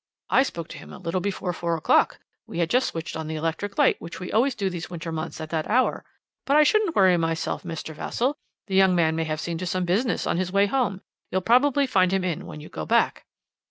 "'I spoke to him a little before four o'clock. We had just switched on the electric light, which we always do these winter months at that hour. But I shouldn't worry myself, Mr. Vassall; the young man may have seen to some business on his way home. You'll probably find him in when you go back.'